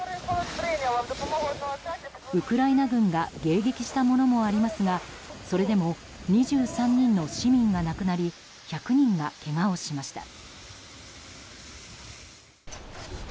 ウクライナ軍が迎撃したものもありますがそれでも２３人の市民が亡くなり１００人がけがをしました。